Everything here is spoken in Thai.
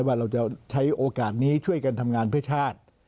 ว่าเราจะใช้โอกาสนี้ช่วยกันทำงานเพื่อชาติ